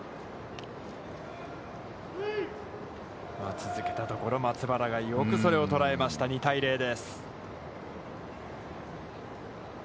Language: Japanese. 続けたところ松原がそれをよく捉えました、２対０です。